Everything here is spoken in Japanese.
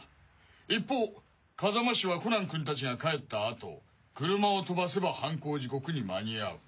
一方風間はコナンくんたちが帰った後車を飛ばせば犯行時刻に間に合う。